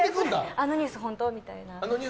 あのニュース本当？みたいな。